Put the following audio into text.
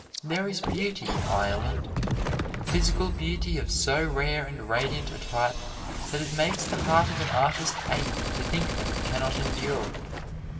There is beauty in Ireland physical beauty of so rare and radiant a type that it makes the heart of an artist ache to think that it can not endure.